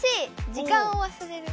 時間をわすれる。